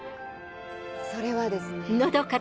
それはですね。